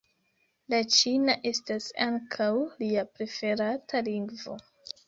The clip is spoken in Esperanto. La ĉina estas ankaŭ lia preferata lingvo.